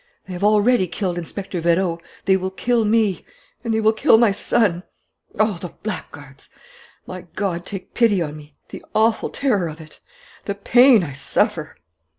They have already killed Inspector Vérot they will kill me and they will kill my son. Oh, the blackguards! My God, take pity on me! The awful terror of it! The pain I suffer!"